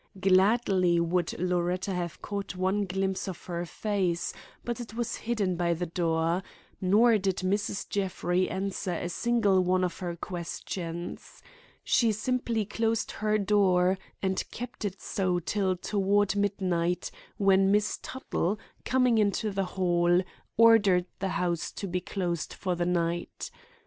Gladly would Loretta have caught one glimpse of her face, but it was hidden by the door; nor did Mrs. Jeffrey answer a single one of her questions. She simply closed her door and kept it so till toward midnight, when Miss Tuttle, coming into the hall, ordered the house to be closed for the night.